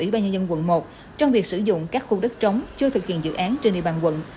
ubnd quận một trong việc sử dụng các khu đất trống chưa thực hiện dự án trên địa bàn quận